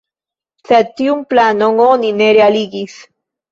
Sed tiun planon oni ne realigis.